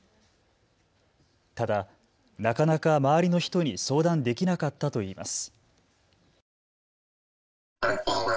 ただ、なかなか周りの人に相談できなかったといいます。